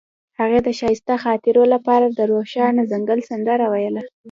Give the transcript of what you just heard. هغې د ښایسته خاطرو لپاره د روښانه ځنګل سندره ویله.